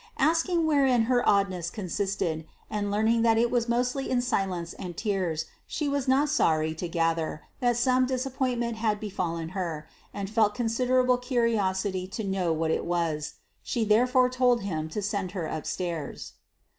Asking wherein her oddness consisted, and learning that it was mostly in silence and tears, she was not sorry to gather that some disappointment had befallen her, and felt considerable curiosity to know what it was. She therefore told him to send her upstairs.